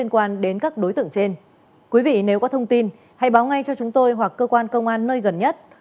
nếu quý vị nếu có thông tin hãy báo ngay cho chúng tôi hoặc cơ quan công an nơi gần nhất